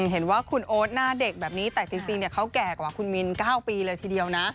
เห็นว่าคุณโอ๊ตหน้าเด็กแบบนี้แต่จริงเขาแก่กว่าคุณมิน๙ปีเลยทีเดียวนะ